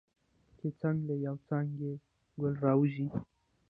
چې څنګه له یوې څانګې ګل راوځي.